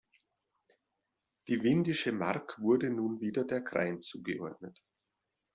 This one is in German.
Die Windische Mark wurde nun wieder der Krain zugeordnet.